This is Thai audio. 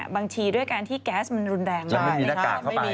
บางทีด้วยการที่แก๊สมันรุนแรงมากนะครับ